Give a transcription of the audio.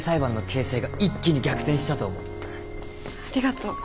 ありがとう。